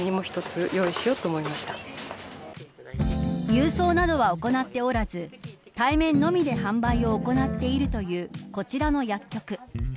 郵送などは行っておらず対面のみで販売を行っているというこちらの薬局。